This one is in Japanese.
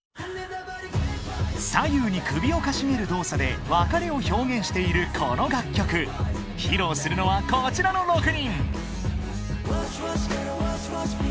左右に首をかしげる動作で別れを表現しているこの楽曲披露するのはこちらの６人